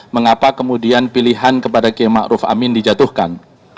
mengapa kemudian pilihan kepada km makruf amin dijatuhkan